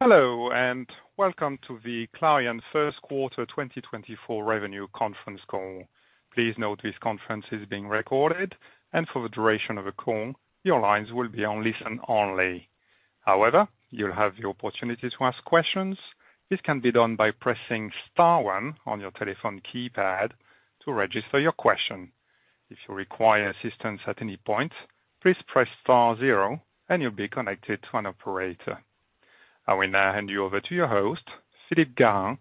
Hello, and welcome to the Clariane first quarter 2024 revenue conference call. Please note this conference is being recorded and for the duration of the call, your lines will be on listen only. However, you'll have the opportunity to ask questions. This can be done by pressing star one on your telephone keypad to register your question. If you require assistance at any point, please press star zero, and you'll be connected to an operator. I will now hand you over to your host, Philippe Garin,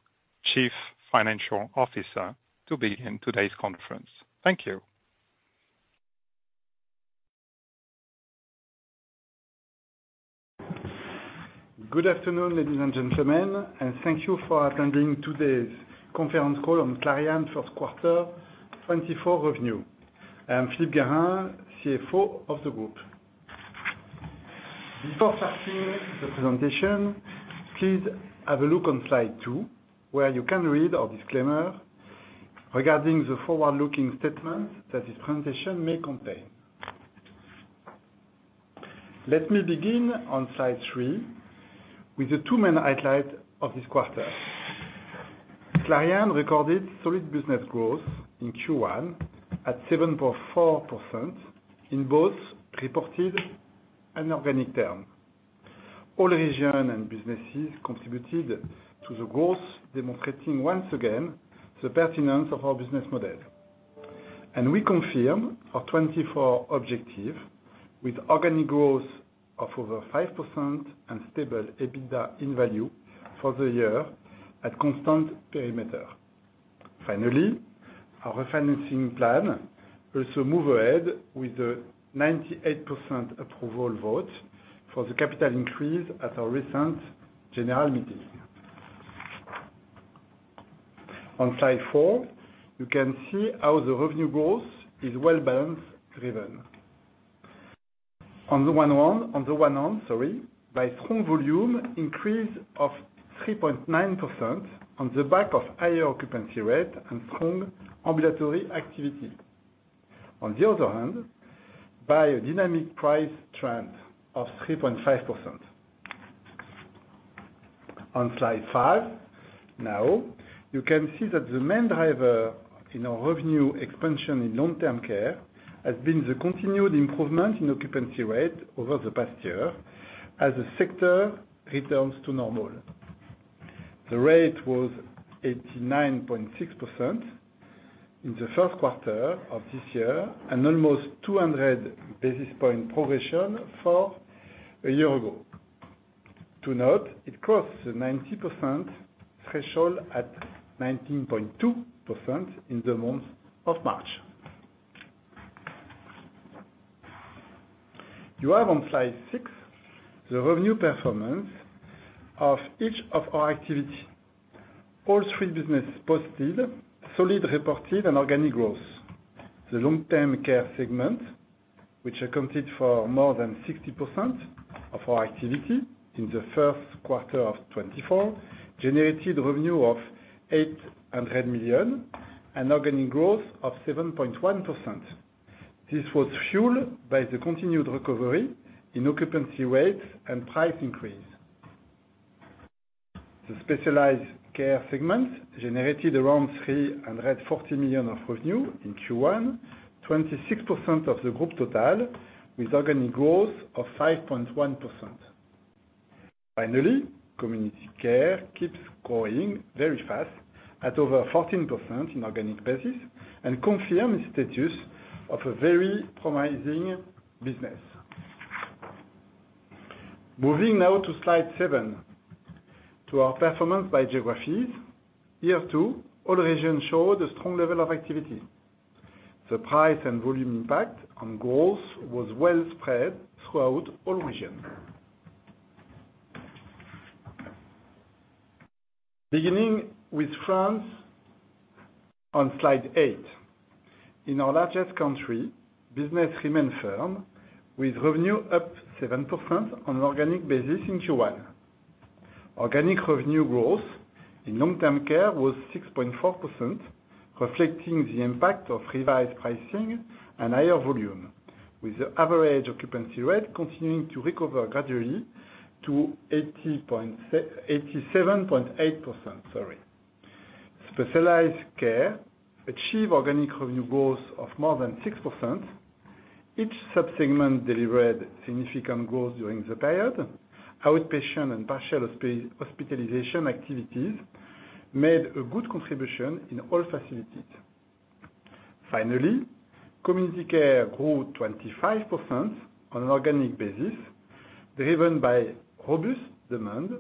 Chief Financial Officer, to begin today's conference. Thank you. Good afternoon, ladies and gentlemen, and thank you for attending today's conference call on Clariane first quarter 2024 revenue. I am Philippe Garin, CFO of the group. Before starting the presentation, please have a look on slide two, where you can read our disclaimer regarding the forward-looking statements that this presentation may contain. Let me begin on slide three with the two main highlights of this quarter. Clariane recorded solid business growth in Q1 at 7.4% in both reported and organic terms. All regions and businesses contributed to the growth, demonstrating once again the pertinence of our business model. We confirm our 2024 objective with organic growth of over 5% and stable EBITDA in value for the year at constant perimeter. Finally, our refinancing plan also moved ahead with the 98% approval vote for the capital increase at our recent general meeting. On slide four, you can see how the revenue growth is well-balanced, driven. On the one hand, sorry, by strong volume increase of 3.9% on the back of higher occupancy rate and strong ambulatory activity. On the other hand, by a dynamic price trend of 3.5%. On slide five, now, you can see that the main driver in our revenue expansion in long-term care has been the continued improvement in occupancy rate over the past year as the sector returns to normal. The rate was 89.6% in the first quarter of this year and almost 200 basis point progression for a year ago. To note, it crossed the 90% threshold at 19.2% in the month of March. You have on slide six, the revenue performance of each of our activities. All three business posted solid reported and organic growth. The long-term care segment, which accounted for more than 60% of our activity in the first quarter of 2024, generated revenue of 800 million and organic growth of 7.1%. This was fueled by the continued recovery in occupancy rates and price increase. The specialized care segment generated around 340 million of revenue in Q1, 26% of the group total, with organic growth of 5.1%. Finally, community care keeps growing very fast at over 14% in organic basis and confirms the status of a very promising business. Moving now to slide seven, to our performance by geographies. Here, too, all regions showed a strong level of activity. The price and volume impact on growth was well spread throughout all regions. Beginning with France on slide eight. In our largest country, business remained firm, with revenue up 7% on an organic basis in Q1. Organic revenue growth in long-term care was 6.4%, reflecting the impact of revised pricing and higher volume, with the average occupancy rate continuing to recover gradually to 87.8%, sorry. Specialized care achieved organic revenue growth of more than 6%. Each sub-segment delivered significant growth during the period. Outpatient and partial hospitalization activities made a good contribution in all facilities. Finally, community care grew 25% on an organic basis, driven by robust demand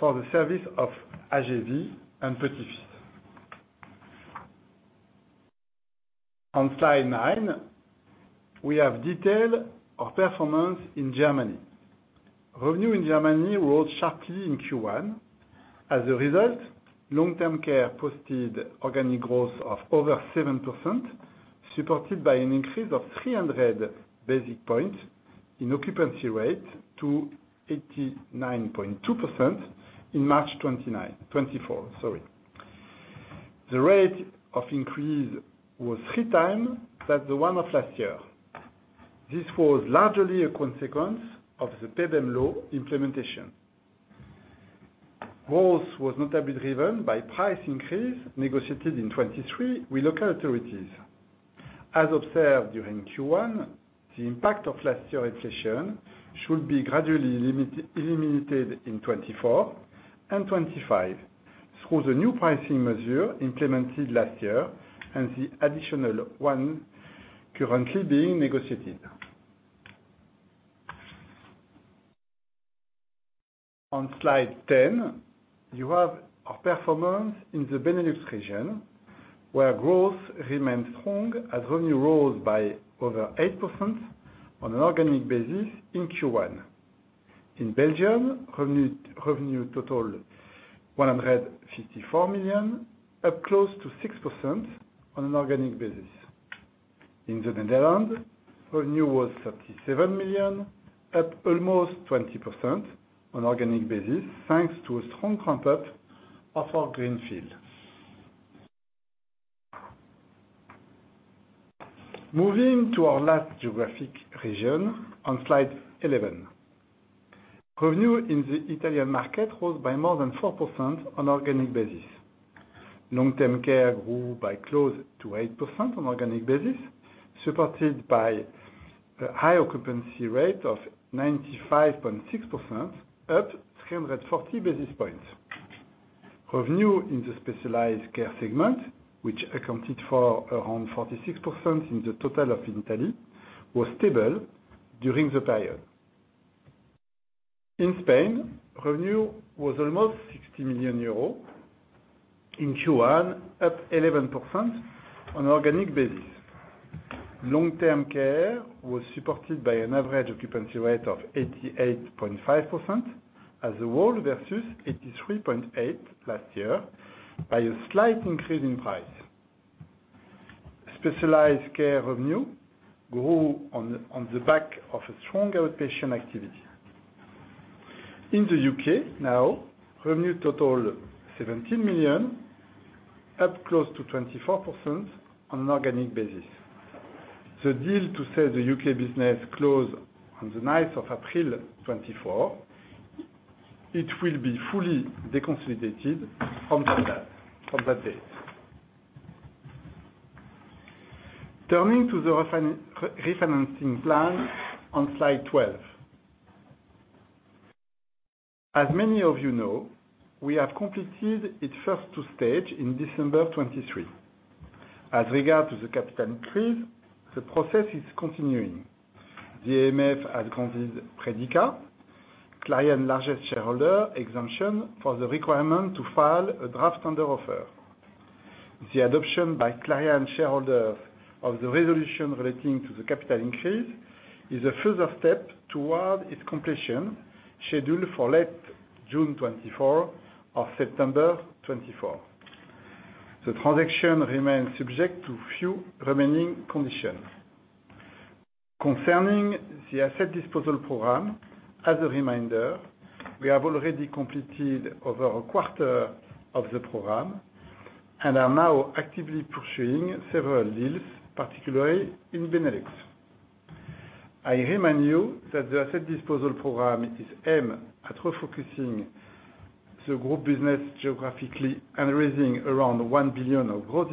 for the service of Ages & Vie and Petits-fils. On slide nine, we have detailed our performance in Germany. Revenue in Germany rose sharply in Q1. As a result, long-term care posted organic growth of over 7%, supported by an increase of 300 basis points in occupancy rate to 89.2% in March 29, 2024, sorry. The rate of increase was three times that the one of last year. This was largely a consequence of the PBEM law implementation. Growth was notably driven by price increase negotiated in 2023 with local authorities. As observed during Q1, the impact of last year inflation should be gradually eliminated in 2024 and 2025 through the new pricing measure implemented last year and the additional one currently being negotiated. On slide 10, you have our performance in the Benelux region, where growth remained strong as revenue rose by over 8% on an organic basis in Q1. In Belgium, revenue total 154 million, up close to 6% on an organic basis. In the Netherlands, revenue was 37 million, up almost 20% on organic basis, thanks to a strong ramp-up of our greenfield. Moving to our last geographic region on slide 11. Revenue in the Italian market rose by more than 4% on organic basis. Long-term care grew by close to 8% on organic basis, supported by a high occupancy rate of 95.6%, up 340 basis points. Revenue in the specialized care segment, which accounted for around 46% in the total of Italy, was stable during the period. In Spain, revenue was almost 60 million euros in Q1, up 11% on an organic basis. Long-term care was supported by an average occupancy rate of 88.5% as a whole, versus 83.8 last year, by a slight increase in price. Specialized care revenue grew on the back of a strong outpatient activity. In the U.K., now, revenue totaled 17 million, up close to 24% on an organic basis. The deal to sell the U.K. business closed on the ninth of April 2024. It will be fully deconsolidated from that date. Turning to the refinancing plan on slide 12. As many of you know, we have completed its first two stages in December 2023. As regards the capital increase, the process is continuing. The AMF has granted Predica, Clariane's largest shareholder, exemption from the requirement to file a draft tender offer. The adoption by Clariane shareholders of the resolution relating to the capital increase is a further step toward its completion, scheduled for late June 2024 or September 2024. The transaction remains subject to a few remaining conditions. Concerning the asset disposal program, as a reminder, we have already completed over a quarter of the program and are now actively pursuing several deals, particularly in Benelux. I remind you that the asset disposal program is aimed at refocusing the group business geographically and raising around 1 billion of gross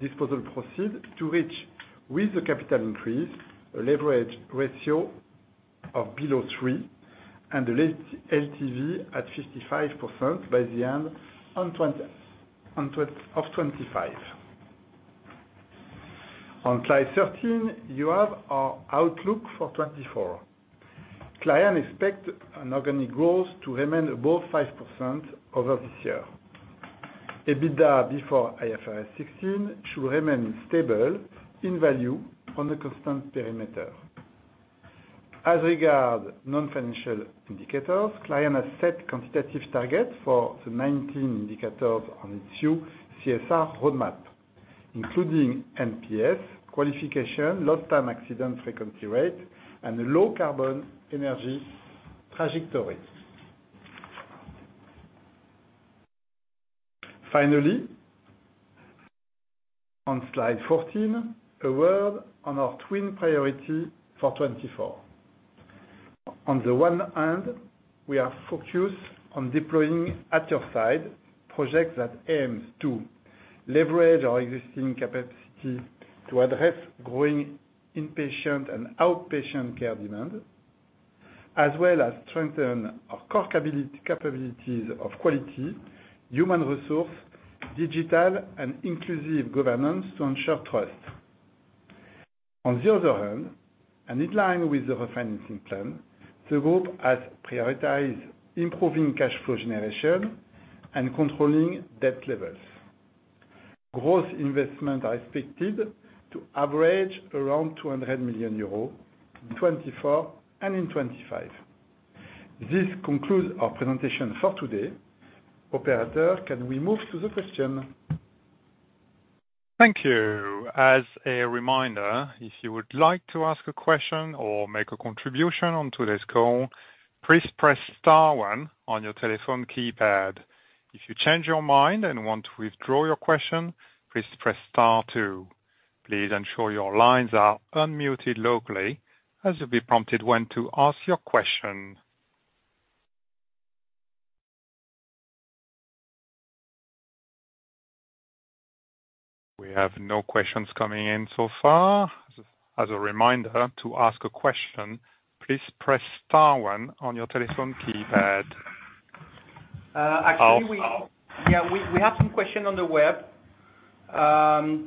disposal proceeds to reach with the capital increase a leverage ratio of below 3 and an LTV at 55% by the end of 2025. On slide 13, you have our outlook for 2024. Clariane expect an organic growth to remain above 5% over this year. EBITDA before IFRS 16 should remain stable in value on a constant perimeter. As regards non-financial indicators, Clariane has set quantitative targets for the 19 indicators on its new CSR roadmap, including NPS, qualification, lost time accident frequency rate, and low carbon energy trajectory. Finally, on slide 14, a word on our twin priority for 2024. On the one hand, we are focused on deploying At Your Side projects that aims to leverage our existing capacity to address growing inpatient and outpatient care demand, as well as strengthen our core capabilities of quality, human resource, digital and inclusive governance to ensure trust. On the other hand, and in line with the refinancing plan, the group has prioritized improving cash flow generation and controlling debt levels. Gross investment are expected to average around 200 million euros in 2024 and in 2025. This concludes our presentation for today. Operator, can we move to the question? Thank you. As a reminder, if you would like to ask a question or make a contribution on today's call, please press star one on your telephone keypad. If you change your mind and want to withdraw your question, please press star two. Please ensure your lines are unmuted locally, as you'll be prompted when to ask your question. We have no questions coming in so far. As a reminder, to ask a question, please press star one on your telephone keypad. Actually, we have some question on the web.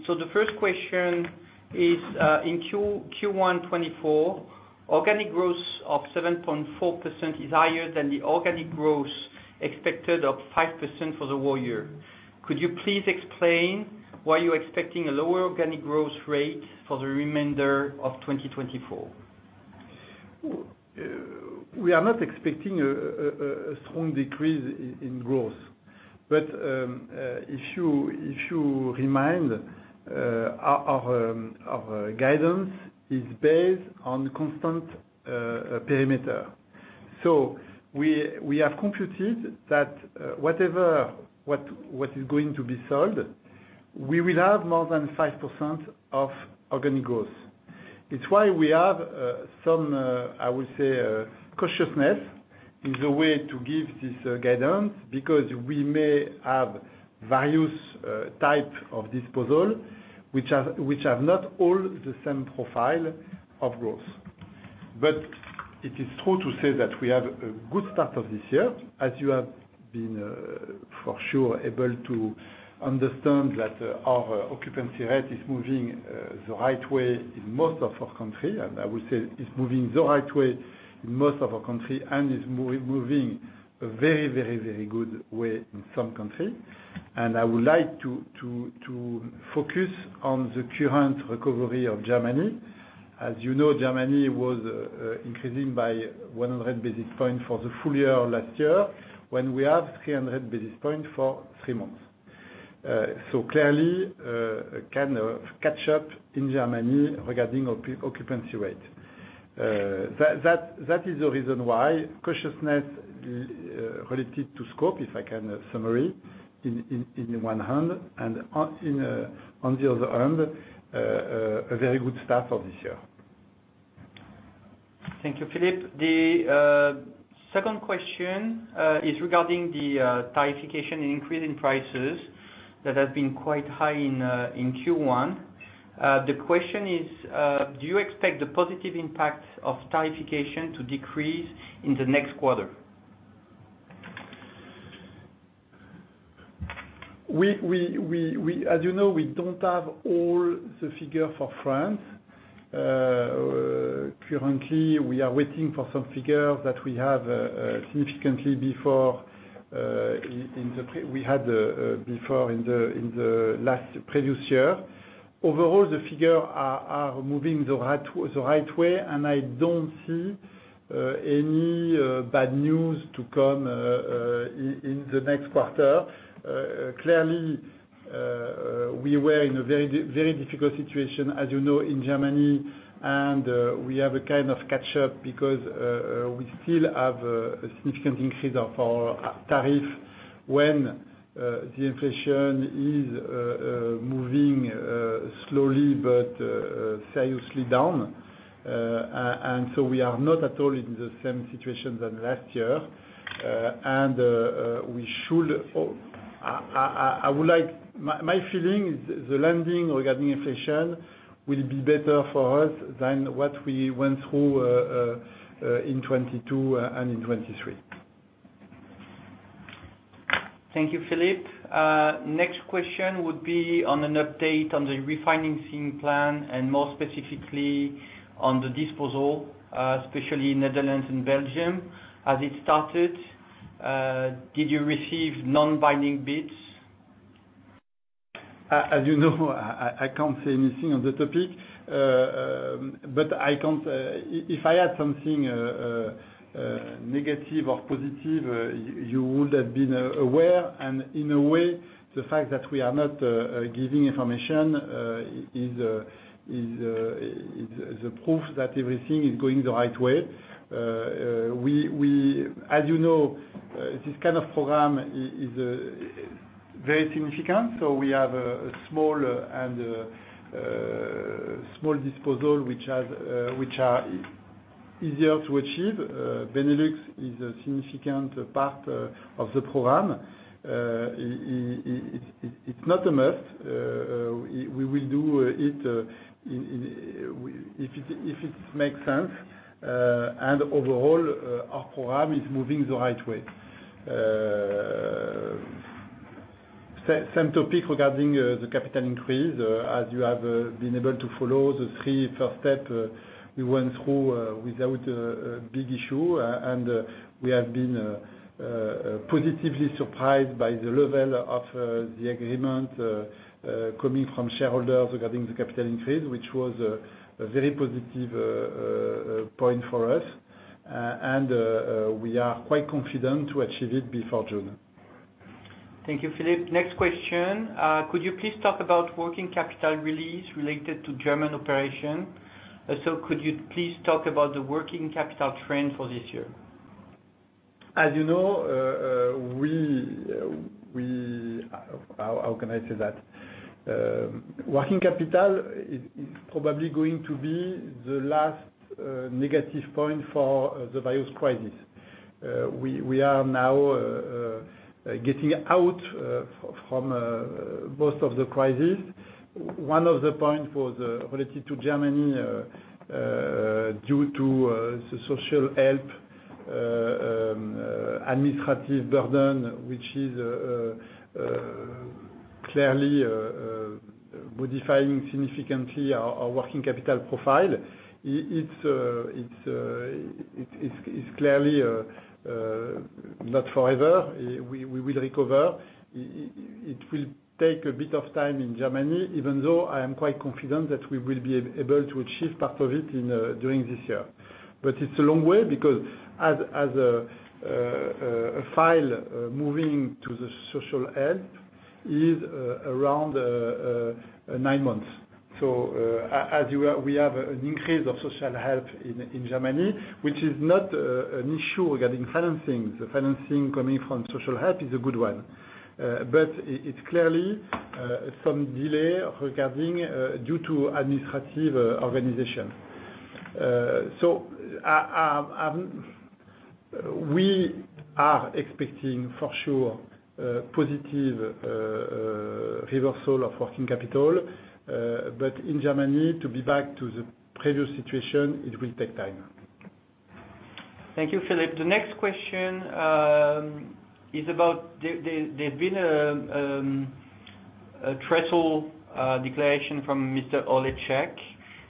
So the first question is, in Q1 2024, organic growth of 7.4% is higher than the organic growth expected, of 5% for the whole year. Could you please explain why you're expecting a lower organic growth rate for the remainder of 2024? We are not expecting a strong decrease in growth. But, if you remind, our guidance is based on constant perimeter. So we have computed that, whatever is going to be sold, we will have more than 5% of organic growth. It's why we have some, I would say, cautiousness in the way to give this guidance, because we may have various type of disposal, which have not all the same profile of growth. But it is true to say that we have a good start of this year, as you have been, for sure, able to understand that, our occupancy rate is moving the right way in most of our country. And I would say it's moving the right way in most of our country, and is moving a very, very, very good way in some country. And I would like to focus on the current recovery of Germany. As you know, Germany was increasing by 100 basis points for the full year last year, when we have 300 basis points for three months. So clearly, a kind of catch up in Germany regarding occupancy rate. That is the reason why cautiousness related to scope, if I can summarize, on the one hand, and on the other hand, a very good start of this year. Thank you, Philippe. The second question is regarding the tarification and increase in prices that have been quite high in Q1. The question is, do you expect the positive impact of tarification to decrease in the next quarter? As you know, we don't have all the figures for France. Currently, we are waiting for some figures that we had significantly before in the previous year. Overall, the figures are moving the right way, and I don't see any bad news to come in the next quarter. Clearly, we were in a very difficult situation, as you know, in Germany, and we have a kind of catch up because we still have a significant increase of our tariff when the inflation is moving slowly, but seriously down. And so we are not at all in the same situation than last year, and we should... I would like—my feeling is the landing regarding inflation will be better for us than what we went through in 2022 and in 2023. Thank you, Philippe. Next question would be on an update on the refinancing plan, and more specifically on the disposal, especially Netherlands and Belgium. Has it started? Did you receive non-binding bids? As you know, I can't say anything on the topic. If I had something negative or positive, you would have been aware. And in a way, the fact that we are not giving information is a proof that everything is going the right way. As you know, this kind of program is very significant, so we have small disposals, which are easier to achieve. Benelux is a significant part of the program. It's not a must. We will do it if it makes sense. And overall, our program is moving the right way. Same topic regarding the capital increase. As you have been able to follow the three first step we went through without a big issue. And we have been positively surprised by the level of the agreement coming from shareholders regarding the capital increase, which was a very positive point for us. And we are quite confident to achieve it before June.... Thank you, Philippe. Next question, could you please talk about working capital release related to German operation? Also, could you please talk about the working capital trend for this year? As you know, how can I say that? Working capital is probably going to be the last negative point for the virus crisis. We are now getting out from most of the crisis. One of the point for the related to Germany due to the social help administrative burden, which is clearly modifying significantly our working capital profile. It's clearly not forever. We will recover. It will take a bit of time in Germany, even though I am quite confident that we will be able to achieve part of it during this year. But it's a long way because as a file moving to the social help is around nine months. So, as you are we have an increase of social help in Germany, which is not an issue regarding financing. The financing coming from social help is a good one. But it's clearly some delay regarding due to administrative organization. So, we are expecting, for sure, positive reversal of working capital, but in Germany, to be back to the previous situation, it will take time. Thank you, Philippe. The next question is about there's been a threshold declaration from Mr. Holeček.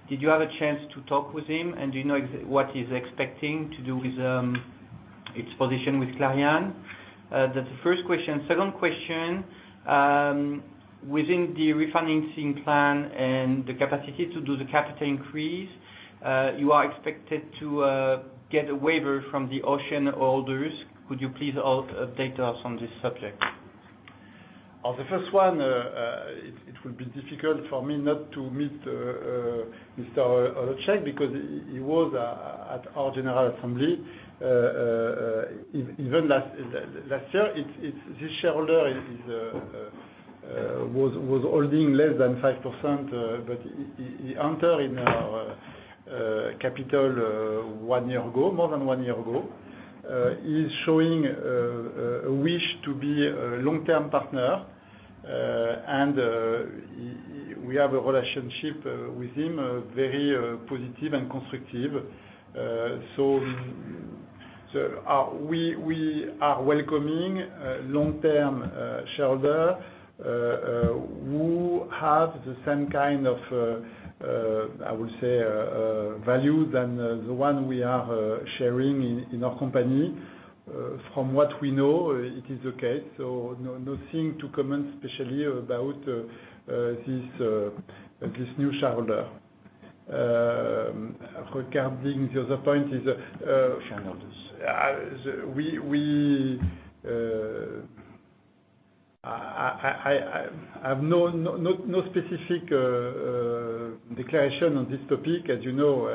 Did you have a chance to talk with him, and do you know exactly what he's expecting to do with its position with Clariane? That's the first question. Second question, within the refinancing plan and the capacity to do the capital increase, you are expected to get a waiver from the OCEANE holders. Could you please update us on this subject? On the first one, it will be difficult for me not to meet Mr. Holeček, because he was at our general assembly, even last year. This shareholder was holding less than 5%, but he entered in our capital one year ago, more than one year ago. He's showing a wish to be a long-term partner, and we have a relationship with him, very positive and constructive. So, we are welcoming a long-term shareholder who have the same kind of, I would say, value than the one we are sharing in our company. From what we know, it is okay, so no, nothing to comment, especially about this new shareholder. Regarding the other point is, Shareholders. I have no specific declaration on this topic. As you know,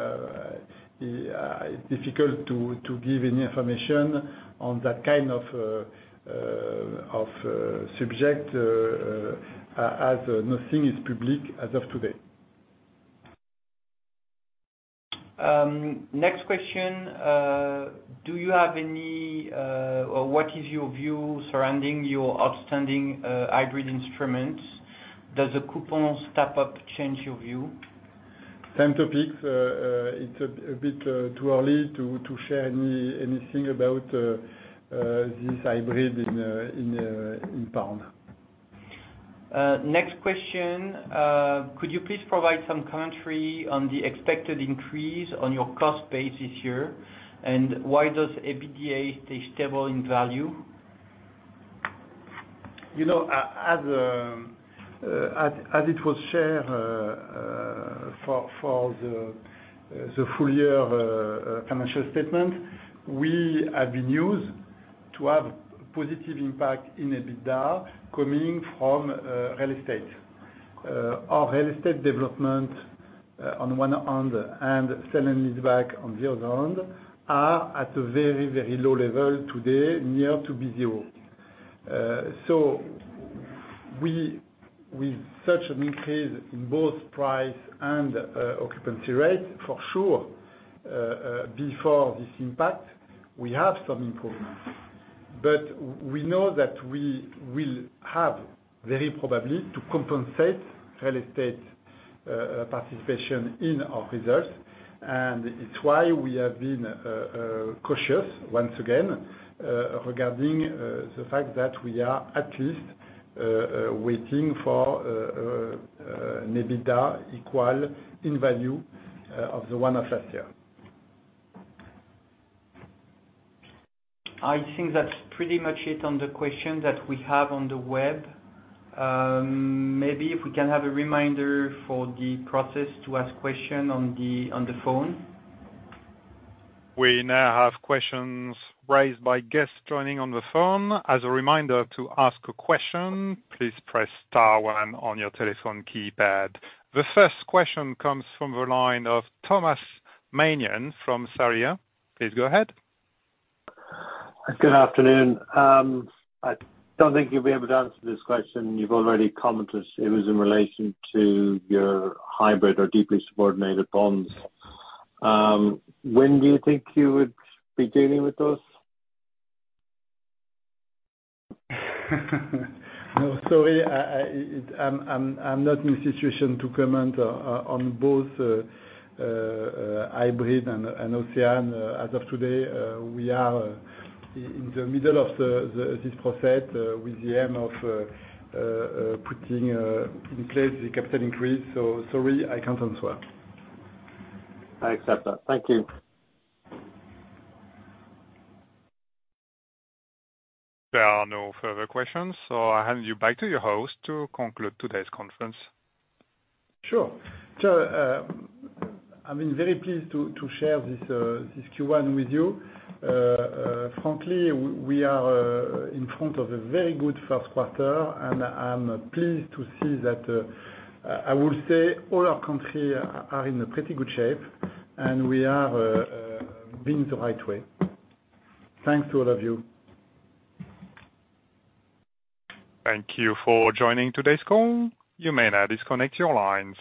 it's difficult to give any information on that kind of subject, as nothing is public as of today. Next question, do you have any, or what is your view surrounding your outstanding hybrid instruments? Does the coupon step-up change your view? Same topics, it's a bit too early to share anything about this hybrid in pound. Next question, could you please provide some commentary on the expected increase on your cost base this year? And why does EBITDA stay stable in value? You know, as it was shared, for the full year financial statement, we have been used to have positive impact in EBITDA coming from real estate. Our real estate development, on one hand, and sell and lease back on the other hand, are at a very, very low level today, near to be zero. So with such an increase in both price and occupancy rate, for sure, before this impact, we have some improvements. But we know that we will have very probably to compensate real estate participation in our results, and it's why we have been cautious once again, regarding the fact that we are at least waiting for EBITDA equal in value of the one of last year. I think that's pretty much it on the questions that we have on the web. Maybe if we can have a reminder for the process to ask question on the phone. We now have questions raised by guests joining on the phone. As a reminder, to ask a question, please press star one on your telephone keypad. The first question comes from the line of Tomas Mannion from Sarria. Please go ahead. Good afternoon. I don't think you'll be able to answer this question. You've already commented it was in relation to your hybrid or deeply subordinated bonds. When do you think you would be dealing with those? No, sorry, I'm not in a situation to comment on both hybrid and OCEANE. As of today, we are in the middle of this process with the aim of putting in place the capital increase. So sorry, I can't answer. I accept that. Thank you. There are no further questions, so I hand you back to your host to conclude today's conference. Sure. So, I've been very pleased to share this Q1 with you. Frankly, we are in front of a very good first quarter, and I'm pleased to see that I would say all our country are in a pretty good shape, and we are being the right way. Thanks to all of you. Thank you for joining today's call. You may now disconnect your lines.